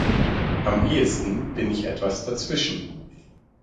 Am ehesten bin ich etwas dazwischen.